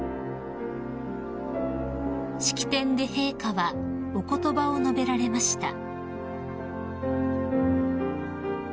［式典で陛下はお言葉を述べられました］